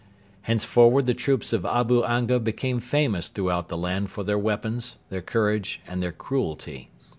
Henceforward the troops of Abu Anga became famous throughout the land for their weapons, their courage, and their cruelty.